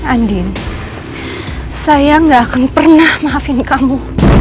andin saya gak akan pernah maafin kamu